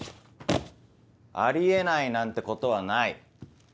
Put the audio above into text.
あり得ないなんてことはない。